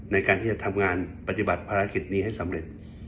ในการทำงานปัจจุบัติภาระกิจสำเร็จ